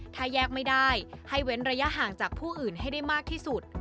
ถ้าแยกไม่ได้ให้เว้นระยะห่างจากผู้อื่นให้ได้มากที่สุด